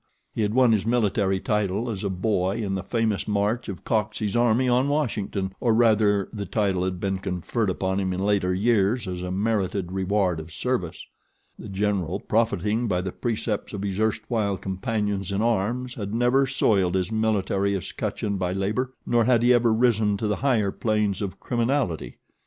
He had won his military title as a boy in the famous march of Coxey's army on Washington, or, rather, the title had been conferred upon him in later years as a merited reward of service. The General, profiting by the precepts of his erstwhile companions in arms, had never soiled his military escutcheon by labor, nor had he ever risen to the higher planes of criminality.